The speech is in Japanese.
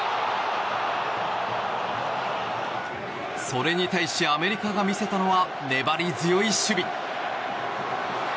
それに対しアメリカが見せたのは粘り強い守備。